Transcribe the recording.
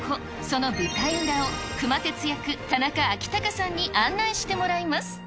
その舞台裏を熊徹役、田中彰孝さんに案内してもらいます。